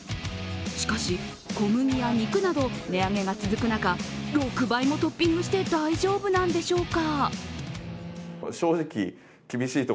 しかし、小麦や肉など値上げが続く中、６倍もトッピングして大丈夫なんでしょうか。